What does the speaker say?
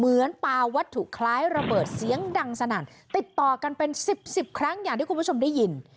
ปลาวัตถุคล้ายระเบิดเสียงดังสนั่นติดต่อกันเป็นสิบสิบครั้งอย่างที่คุณผู้ชมได้ยิน